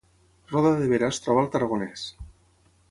Roda de Berà es troba al Tarragonès